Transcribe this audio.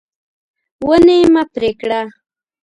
ونې مه پرې کړه.